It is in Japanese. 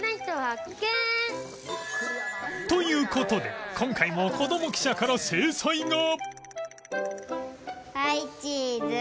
という事で今回もこども記者から制裁が